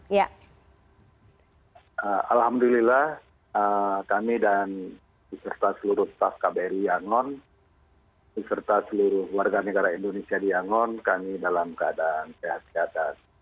ya alhamdulillah kami dan beserta seluruh staf kbri yangon beserta seluruh warga negara indonesia di yangon kami dalam keadaan sehat sehat